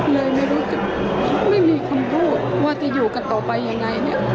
เลยไม่รู้จะไม่มีคำพูดว่าจะอยู่กันต่อไปยังไงเนี่ย